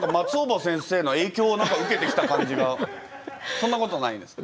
そんなことないですか？